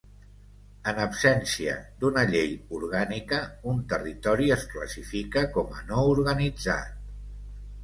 En absència d'una llei orgànica, un territori es classifica com a no organitzat.